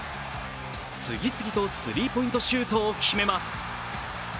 次々とスリーポイントシュートを決めます。